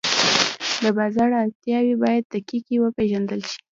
د بازار اړتیاوې باید دقیقې وپېژندل شي.